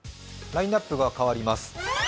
ラインナップが変わります。